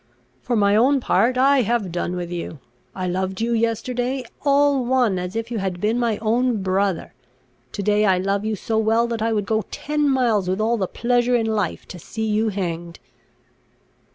For my own part, I have done with you. I loved you yesterday, all one as if you had been my own brother. To day I love you so well, that I would go ten miles with all the pleasure in life to see you hanged."